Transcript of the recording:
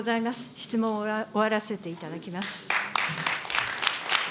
質問を終わらせていただきます。